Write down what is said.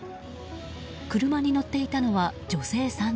車に乗っていたのは女性３人。